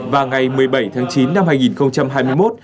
và ngày một mươi bảy tháng chín năm hai nghìn hai mươi một